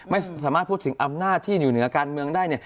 ไม่สามารถพูดถึงอำนาจที่อยู่เหนือการเมืองได้เนี่ย